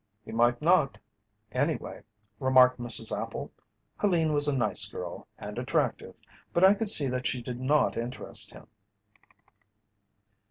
"He might not, anyway," remarked Mrs. Appel. "Helene was a nice girl, and attractive, but I could see that she did not interest him."